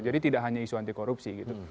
jadi tidak hanya isu anti korupsi gitu